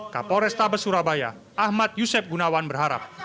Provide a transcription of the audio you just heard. kapolrestabes surabaya ahmad yusef gunawan berharap